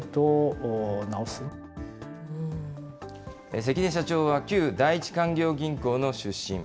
関根社長は旧第一勧業銀行の出身。